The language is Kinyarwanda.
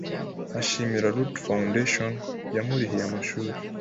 Ashimira Root Foundation yamurihiye amashuri